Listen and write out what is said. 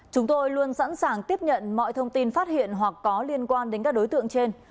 chúng tôi luôn sẵn sàng tiếp nhận mọi thông tin phát hiện hoặc có liên quan đến các đối tượng trên